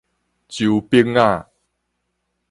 周柏雅